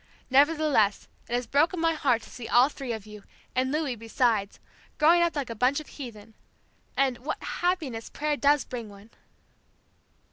Nevertheless it has nearly broken my heart to see all three of you, and Louis besides, growing up like a bunch of heathen. And, what happiness prayer does bring one!"